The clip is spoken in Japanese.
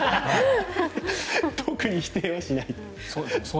特に否定しない。